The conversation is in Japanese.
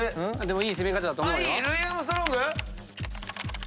でもいい攻め方だと思う。